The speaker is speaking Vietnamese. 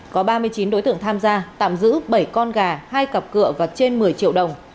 có ba mươi chín đối tượng tham gia tạm giữ bảy con gà hai cặp cựa và trên một mươi triệu đồng